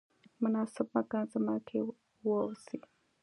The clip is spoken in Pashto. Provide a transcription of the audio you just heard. مناسب مکان زمان کې واوسئ.